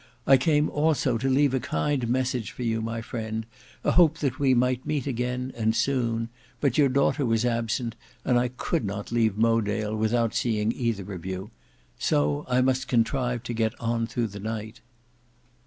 "I came also to leave a kind message for you, my friend, a hope that we might meet again and soon—but your daughter was absent, and I could not leave Mowedale without seeing either of you. So I must contrive to get on through the night."